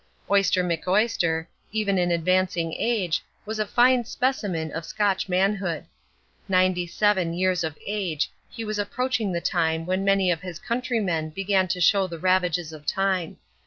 Oyster McOyster, even in advancing age, was a fine specimen of Scotch manhood. Ninety seven years of age, he was approaching the time when many of his countrymen begin to show the ravages of time.